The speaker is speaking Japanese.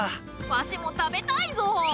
わしも食べたいぞ！